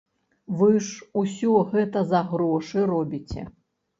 Вы ж усё гэта за грошы робіце.